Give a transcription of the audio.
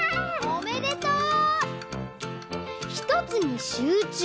おめでとう！